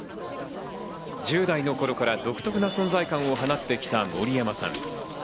１０代の頃から独特な存在感を放ってきた森山さん。